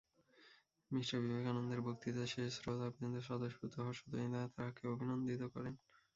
Me বিবেকানন্দের বক্তৃতার শেষে শ্রোতৃবৃন্দ স্বতঃস্ফূর্ত হর্ষধ্বনি দ্বারা তাঁহাকে অভিনন্দিত করেন।